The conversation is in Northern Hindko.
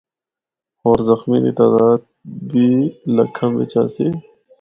ہور زخمیاں دی تعداد بھی لکھاں بچ آسی۔